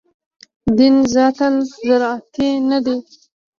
دین ذاتاً زراعتي نه دی.